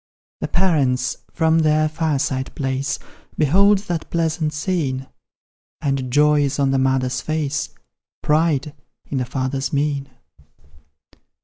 The parents, from their fireside place, Behold that pleasant scene, And joy is on the mother's face, Pride in the father's mien.